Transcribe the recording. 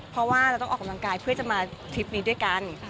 เพราะว่าเราต้องออกกำลังกายเพื่อจะมาทริปนี้ด้วยกัน